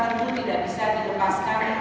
tentu tidak bisa dilepaskan